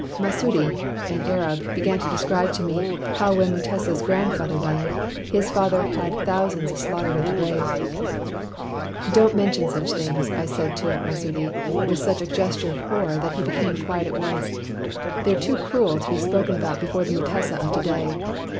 "Masudi (an Arab) began to describe to me how when Mutesa 's grandfather died, 190 MACKAY'S NEW NAME his father had thousands slaughtered at the grave. " 'Don't mention such things/ I said to Masudi, with such a gesture of horror that he became quiet at once; 'they are too cruel to be spoken about before the Mutesa of to day.